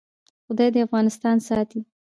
خدای دې افغانستان ساتي